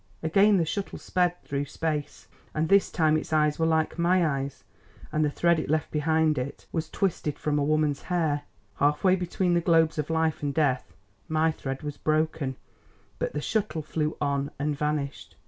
Again the shuttle sped through space, and this time its eyes were like my eyes, and the thread it left behind it was twisted from a woman's hair. Half way between the globes of Life and Death my thread was broken, but the shuttle flew on and vanished.